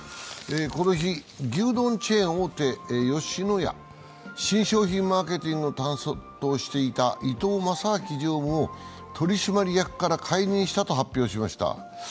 この日、牛丼チェーン大手・吉野家新商品マーケティングを担当していた伊東正明常務を取締役から解任したと発表しました。